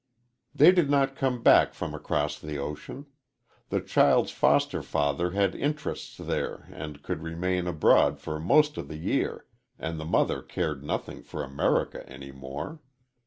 "They did not come back from across the ocean. The child's foster father had interests there and could remain abroad for most of the year, and the mother cared nothing for America any more.